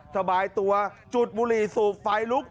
สบายตัวจุดบุหรี่สูบไฟลุก